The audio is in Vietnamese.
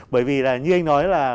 bởi vì là như anh nói là